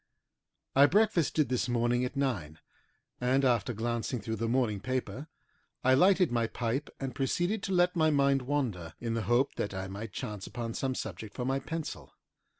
I breakfasted this morning at nine, and after glancing through the morning paper I lighted my pipe and proceeded to let my mind wander in the hope that I might chance upon some subject for my pencil.